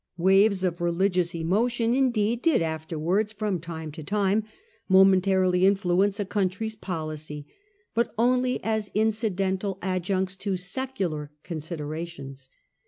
Waves of religious emotion, indeed, did afterwards from time to time momentarily influence a country's policy, but only as incidental adjuncts to secular considerations.